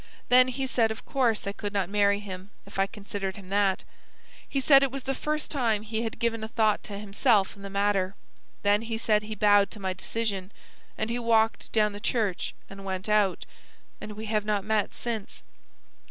Then he said of course I could not marry him if I considered him that. He said it was the first time he had given a thought to himself in the matter. Then he said he bowed to my decision, and he walked down the church and went out, and we have not met since."